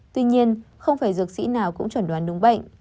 tuy nhiên không phải dược sĩ nào cũng chuẩn đoán đúng bệnh